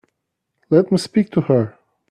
Let me speak to her.